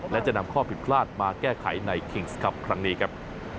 และจะนำข้อผิดพลาดมาแก้ไขในคิงส์ครับครั้งนี้ครับ